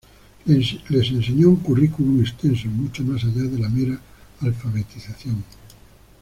Les enseñó un currículum extenso, mucho más allá de la mera alfabetización.